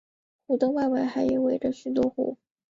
湖的外围还围着许多湖。